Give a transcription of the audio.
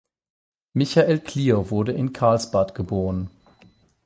Michael Klier wurde in Karlsbad geboren.